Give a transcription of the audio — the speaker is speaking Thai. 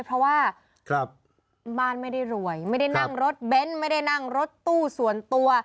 เพราะว่าบ้านไม่ได้รวยไม่ได้นั่งรถเบนท์ไม่ได้นั่งรถตู้ส่วนตัว